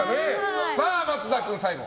さあ松田君、最後。